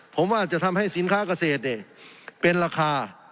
ผมว่าจะทำให้สินค้าเกษตรเป็นราคา